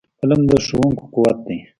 قلم د ښوونکو قوت دی